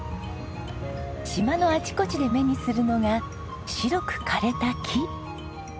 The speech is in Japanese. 島のあちこちで目にするのが白く枯れた木。